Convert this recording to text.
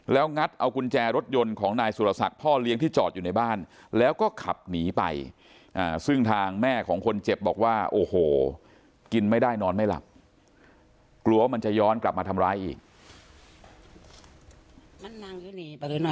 แล้วงัดเอากุญแจรถยนต์ของนายสุรศักดิ์พ่อเลี้ยงที่จอดอยู่ในบ้านแล้วก็ขับหนีไปซึ่งทางแม่ของคนเจ็บบอกว่าโอ้โหกินไม่ได้นอนไม่หลับกลัวว่ามันจะย้อนกลับมาทำร้ายอีก